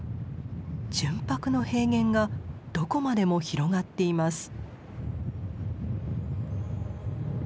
純白の平原がどこまでも広がっています。